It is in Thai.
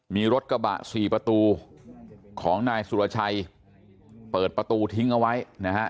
มีรถกระบะสี่ประตูของนายสุรชัยเปิดประตูทิ้งเอาไว้นะฮะ